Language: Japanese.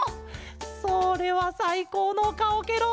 それはさいこうのかおケロ！